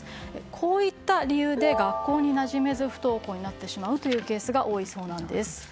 こういった理由で学校になじめず不登校になってしまうというケースが多いそうです。